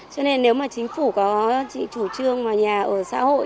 cho nên nếu mà chính phủ có chủ trương mà nhà ở xã hội